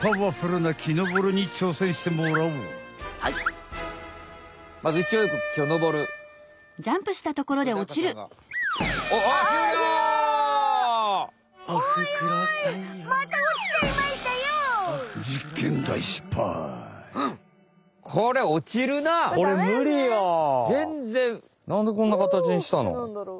なんでこんなかたちにしたの？